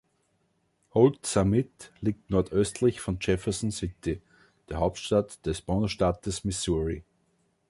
Holts Summit liegt nordöstlich von Jefferson City, der Hauptstadt des Bundesstaates Missouri.